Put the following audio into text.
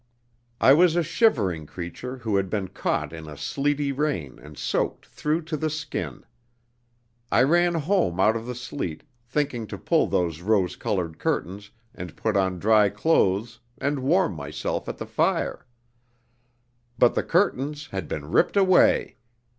I was a shivering creature who had been caught in a sleety rain and soaked through to the skin. I ran home out of the sleet, thinking to pull those rose colored curtains and put on dry clothes and warm myself at the fire. But the curtains had been ripped away.